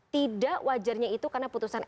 tidak wajarnya itu karena putusan